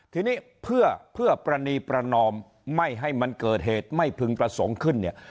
ทีนี้เพื่อปรณีประนอมไม่ให้มันเกิดเหตุไม่พึงประสงค์ขึ้นเนี่ย